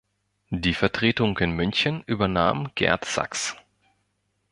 Die Vertretung in München übernahm Gert Sachs.